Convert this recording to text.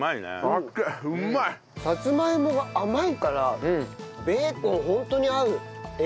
さつまいもが甘いからベーコンホントに合う。